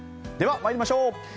では、参りましょう。